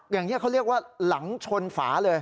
อย่างนี้เขาเรียกว่าหลังชนฝาเลย